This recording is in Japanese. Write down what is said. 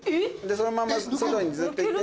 そのまま外にずっと行って。